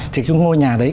thì cái ngôi nhà đấy